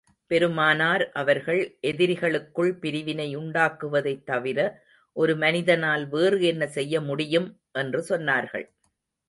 பெருமானார் அவர்கள், எதிரிகளுக்குள் பிரிவினை உண்டாக்குவதைத் தவிர, ஒரு மனிதனால் வேறு என்ன செய்ய முடியும்? என்று சொன்னார்கள்.